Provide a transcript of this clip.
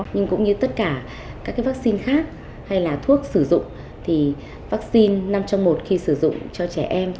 nhưng cũng như tất cả các vaccine khác hay là thuốc sử dụng thì vaccine năm trong một khi sử dụng cho trẻ em